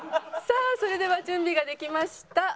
さあそれでは準備ができました。